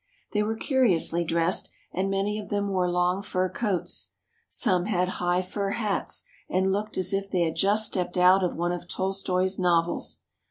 They were curiously dressed and many of them wore long fur coats. Some had high fur hats and looked as if they had just stepped out of one of Tolstoi's novels.